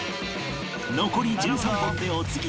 残り１３本でお次は狩野